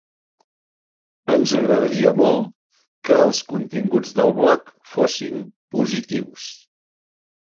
Ens agradaria molt que els continguts del blog fossin positius.